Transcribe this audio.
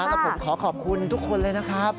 แล้วผมขอขอบคุณทุกคนเลยนะครับ